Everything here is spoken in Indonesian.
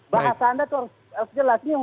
bahasa anda harus jelas